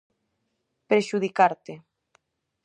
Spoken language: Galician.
Prexudicarate.